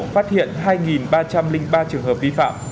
phát hiện hai ba trăm linh ba trường hợp vi phạm